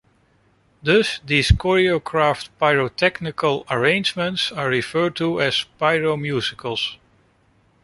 Thus, these choreographed pyrotechnical arrangements are referred to as 'pyro-musicals'.